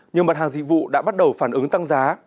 nhiều mặt hàng dịch vụ đã bắt đầu phản ứng tăng giá